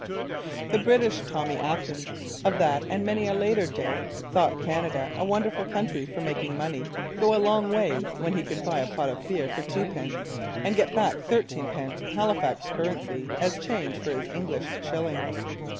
The British Tommy Atkins of that and many a later day thought Canada a wonderful country for making money go a long way when he could buy a pot of beer for twopence and get back thirteen pence Halifax currency as change for his English shilling.